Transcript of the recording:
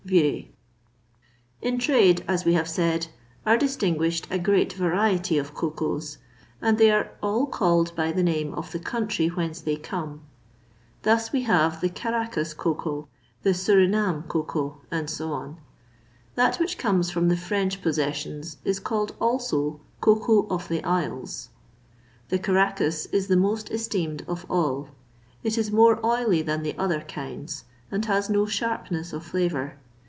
VIREY. In trade, as we have said, are distinguished a great variety of cocoas, and they are called by the name of the country whence they come. Thus we have the Caracas cocoa, the Surinam cocoa, &c. That which comes from the French possessions is called also "cocoa of the isles." The Caracas is the most esteemed of all: it is more oily than the other kinds, and has no sharpness of flavour.